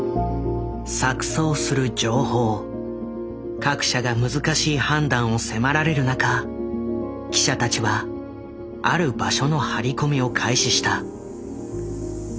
各社が難しい判断を迫られる中記者たちはある場所の張り込みを開始した。